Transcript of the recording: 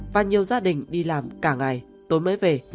và nhiều gia đình đi làm cả ngày tối mới về